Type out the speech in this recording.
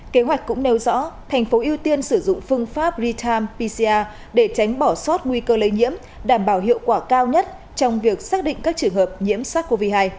kế hoạch cũng nêu rõ thành phố ưu tiên sử dụng phương pháp real time pcr để tránh bỏ sót nguy cơ lây nhiễm đảm bảo hiệu quả cao nhất trong việc xác định các trường hợp nhiễm sars cov hai